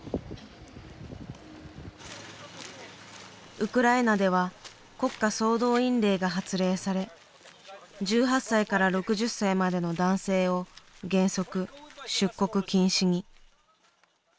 ウクライナでは国家総動員令が発令され１８歳から６０歳までの男性を原則出国禁止に。